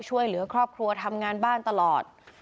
ช่วยเหลือครอบครัวทำงานบ้านตลอด